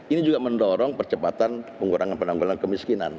ini juga mendorong percepatan pengurangan penanggulangan kemiskinan